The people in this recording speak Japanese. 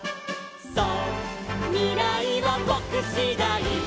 「そうみらいはぼくしだい」